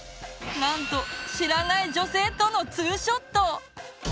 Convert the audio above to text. なんと知らない女性との２ショット！